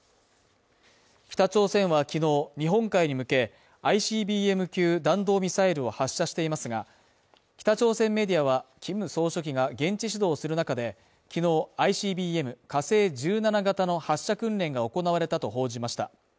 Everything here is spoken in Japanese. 北朝鮮はきのう日本海に向け、ＩＣＢＭ級弾道ミサイルを発射していますが、北朝鮮メディアはキム総書記が現地指導する中で、昨日、ＩＣＢＭ火星１７型の発射訓練が行われたと報じました。